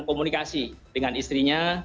komunikasi dengan istrinya